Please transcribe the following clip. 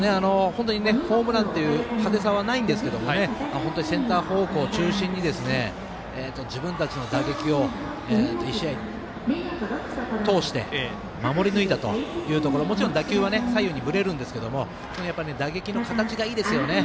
ホームランという派手さはないんですけどセンター方向中心に自分たちの打撃を１試合を通して守り抜いたというところもちろん打球は左右にぶれるんですけども打撃の形がいいですよね。